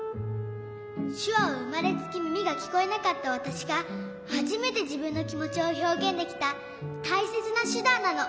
しゅわはうまれつきみみがきこえなかったわたしがはじめてじぶんのきもちをひょうげんできたたいせつなしゅだんなの。